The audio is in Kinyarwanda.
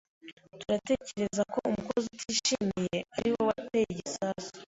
Turatekereza ko umukozi utishimiye ari we wateye igisasu.